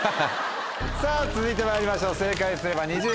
さぁ続いてまいりましょう正解すれば２０万円です。